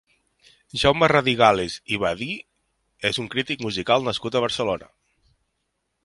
Jaume Radigales i Babí és un crític musical nascut a Barcelona.